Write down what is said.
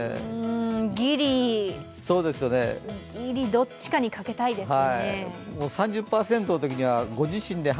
ギリ、どっちかに賭けたいですね。